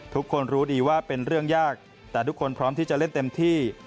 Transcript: ทุกคนรู้ดีว่าเป็นเรื่องยากแต่ทุกคนพร้อมที่จะเล่นเต็มที่